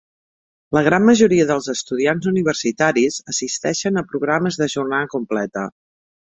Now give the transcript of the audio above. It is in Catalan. La gran majoria dels estudiants universitaris assisteixen a programes de jornada completa.